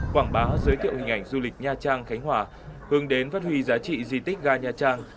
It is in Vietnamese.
quảng bá giới thiệu hình ảnh du lịch nha trang khánh hòa hướng đến phát huy giá trị di tích ga nha trang